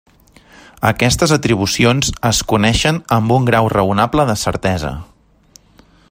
Aquestes atribucions es coneixen amb un grau raonable de certesa.